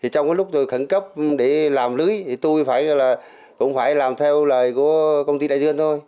trong lúc khẩn cấp để làm lưới tôi cũng phải làm theo lời của công ty đại dương thôi